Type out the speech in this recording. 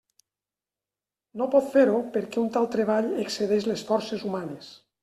No pot fer-ho perquè un tal treball excedeix les forces humanes.